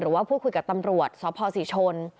ว่าพูดคุยกับตำรวจสพศรีชน